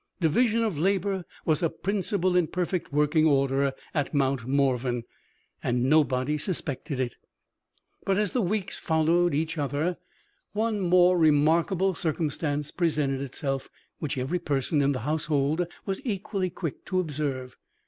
Division of labor was a principle in perfect working order at Mount Morven and nobody suspected it! But, as the weeks followed each other, one more remarkable circumstance presented itself which every person in the household was equally quick to observe.